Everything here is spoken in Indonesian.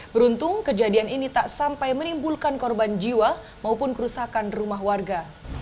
beruntung kejadian ini tak sampai menimbulkan korban jiwa maupun kerusakan rumah warga